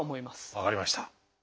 分かりました。